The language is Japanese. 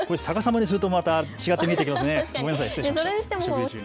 逆さまにするとまた違って見えてきますね。